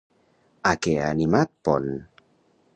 A què ha animat Pont?